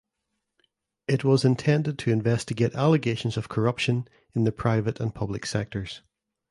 It was intended to investigate allegations of corruption in the private and public sectors.